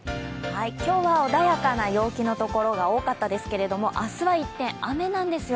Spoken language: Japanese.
今日は穏やかな陽気のところが多かったですけれど明日は一転、雨なんですよ。